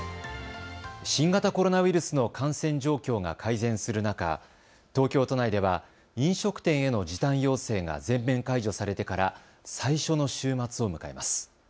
新型コロナウイルスの感染状況が改善する中、東京都内では飲食店への時短要請が全面解除されてから最初の週末を迎えます。